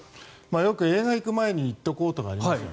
よく映画行く前に行っておこうとかありますよね。